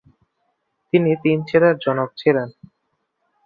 তিনি তিন ছেলের জনক ছিলেন।